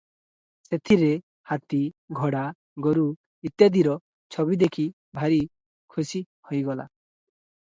ସେଥିରେ ହାତୀ, ଘୋଡ଼ା, ଗୋରୁ ଇତ୍ୟାଦିର ଛବି ଦେଖି ଭାରି ଖୁସି ହୋଇଗଲା ।